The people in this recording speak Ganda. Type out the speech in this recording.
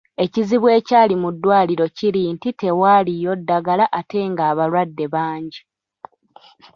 Ekizibu ekyali mu ddwaliro kiri nti tewaaliyo ddagala ate ng’abalwadde bangi.